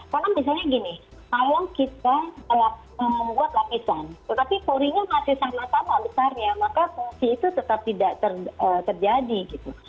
karena misalnya gini kalau kita membuat lapisan tetapi porinya masih sama sama besarnya maka fungsi itu tetap tidak terjadi gitu